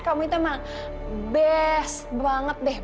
kamu itu emang best banget deh